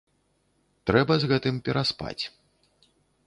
Трэба з гэтым пераспаць.